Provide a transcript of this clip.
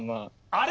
あれ？